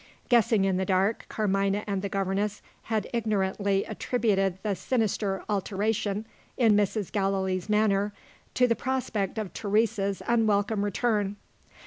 Guessing in the dark, Carmina and the governess had ignorantly attributed the sinister alteration in Mrs. Gallilee's manner to the prospect of Teresa's unwelcome return.